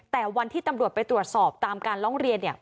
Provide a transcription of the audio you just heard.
แต่วันที่ตำรวจไปตรวจสอบตามการร้องเรียนเนี่ย